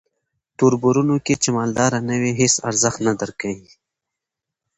توربرونو کې چې مالداره نه وې هیس ارزښت نه درکوي.